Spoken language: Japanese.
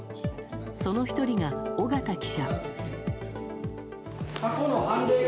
その１人が尾形記者。